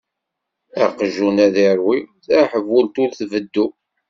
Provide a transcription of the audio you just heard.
Aqjun ad iṛwu, taḥbult ur tbeddu.